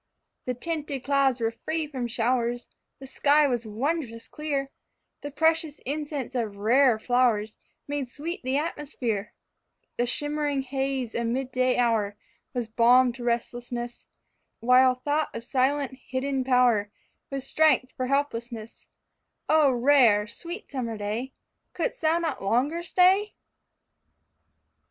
The tinted clouds were free from showers, The sky was wondrous clear, The precious incense of rare flowers Made sweet the atmosphere; The shimmering haze of mid day hour Was balm to restlessness, While thought of silent hidden power Was strength for helplessness O rare, sweet summer day, Could'st thou not longer stay?